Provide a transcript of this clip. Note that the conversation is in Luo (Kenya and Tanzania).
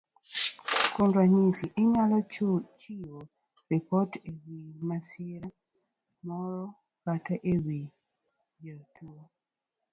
Kuom ranyisi, inyalo chiwo ripot e wi masira moro kata e wi jotuo.